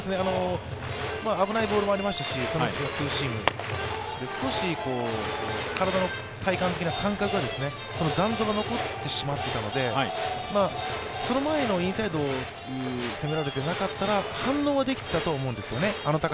危ないボールもありましたし、ツーシーム少し体の体感的な感覚は、残像が残ってしまっていたので、その前のインサイドで攻められていなかったら反応はできていたと思うんですよね。